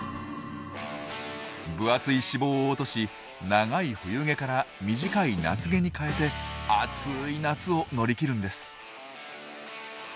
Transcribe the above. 分厚い脂肪を落とし長い冬毛から短い夏毛に換えて暑い夏を乗り切るんです。